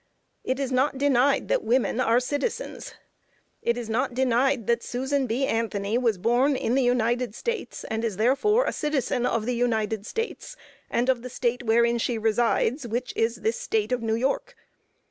It is not denied that women are citizens, it is not denied that Susan B. Anthony was born in the United States, and is therefore a citizen of the United States, and of the State wherein she resides, which is this State of New York.